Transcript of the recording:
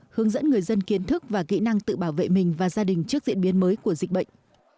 hướng dẫn người dân kiến thức và kỹ năng tự bảo vệ mình và gia đình trước diễn biến mới của dịch bệnh